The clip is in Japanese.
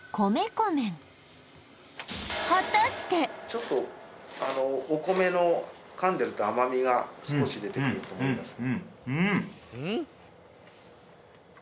ちょっとお米の噛んでると甘みが少し出てくると思います